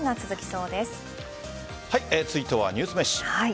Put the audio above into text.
続いてはニュースめし。